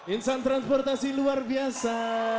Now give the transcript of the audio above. insan transportasi luar biasa